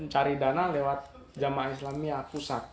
mencari dana lewat jamaah islamiyah pusat